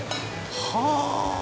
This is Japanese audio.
はあ！